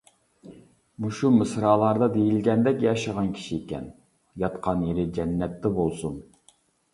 مۇشۇ مىسرالاردا دېيىلگەندەك ياشىغان كىشىكەن، ياتقان يېرى جەننەتتە بولسۇن.